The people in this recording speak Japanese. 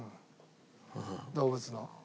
動物の。